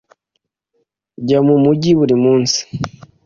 Njya mu mujyi buri munsi.